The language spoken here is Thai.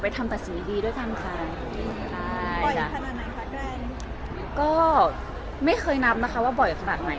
ไปทำตัดสีดีด้วยกันค่ะใช่ค่ะก็ไม่เคยนับนะคะว่าบ่อยขนาดไหน